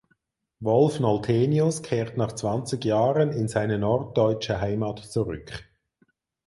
Wolf Noltenius kehrt nach zwanzig Jahren in seine norddeutsche Heimat zurück.